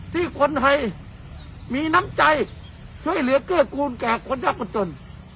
ที่คนไทยมีน้ำใจช่วยเหลือเกื้อกูลแก่คนยากคนจน